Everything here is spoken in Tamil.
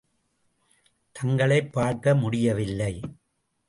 தங்களைப் பார்க்க முடியவில்லை.